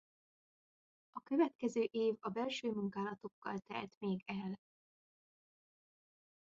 A következő év a belső munkálatokkal telt még el.